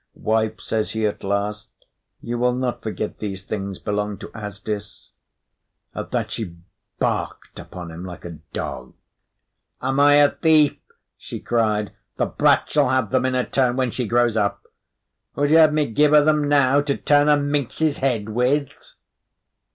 "Wife," says he at last, "you will not forget these things belong to Asdis?" At that she barked upon him like a dog. "Am I a thief?" she cried. "The brat shall have them in her turn when she grows up. Would you have me give her them now to turn her minx's head with?"